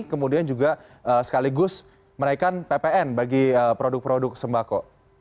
kemudian juga sekaligus menaikkan ppn bagi produk produk sembako